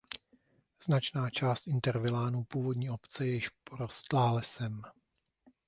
Značná část intravilánu původní obce je již porostlá lesem.